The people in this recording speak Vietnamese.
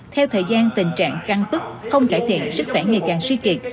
theo thời gian tình trạng căng tức không cải thiện sức khỏe ngày càng suy kiệt